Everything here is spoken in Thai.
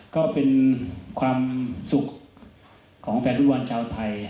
ก็เป็นความสุขของแฟนฟุตบอลชาวไทย